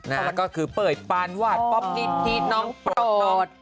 แล้วก็คือเป่ยปันวัดป๊อบนิดทีน้องโปรด